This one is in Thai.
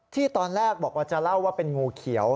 ที่ตอนแรกบอกว่าจะเล่าว่าเป็นงูเขียว